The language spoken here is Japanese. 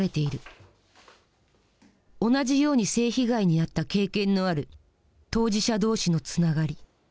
同じように性被害に遭った経験のある当事者同士のつながり